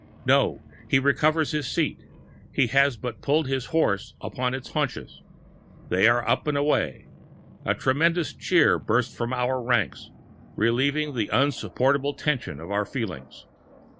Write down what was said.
No, he recovers his seat; he has but pulled his horse upon its haunches. They are up and away! A tremendous cheer bursts from our ranks, relieving the insupportable tension of our feelings.